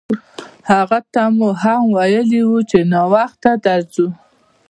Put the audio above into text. هغه ته مو هم ویلي وو چې ناوخته درځو.